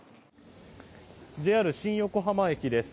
ＪＲ新横浜駅です。